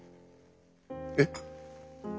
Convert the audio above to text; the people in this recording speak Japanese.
えっ？